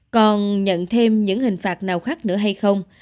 còn nhận thêm những hình phạt nào khác nữa hay không